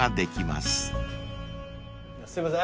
すいません。